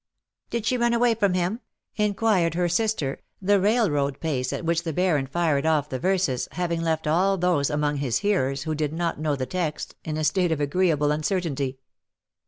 '^ Did she run away from him ?" inquired her sister, the railroad pace at which the Baron fired off the verses having left all those among his hearers who did not know the text in a state of agreeable uncertainty.